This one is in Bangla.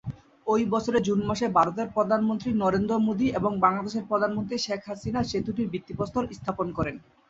ঐ বছরের জুন মাসে ভারতের প্রধানমন্ত্রী নরেন্দ্র মোদী এবং বাংলাদেশের প্রধানমন্ত্রী শেখ হাসিনা সেতুটির ভিত্তিপ্রস্তর স্থাপন করেন।